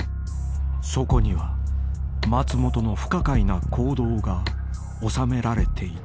［そこには松本の不可解な行動がおさめられていた］